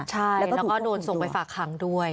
แล้วก็โดนส่งไปฝากขังด้วย